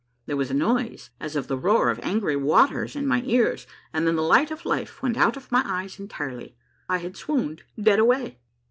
There was a noise as of the roar of angry waters in my ears, and then the light of life went out of my eyes entirely. I had swooned dead away.